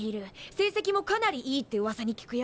成績もかなりいいってうわさに聞くよ。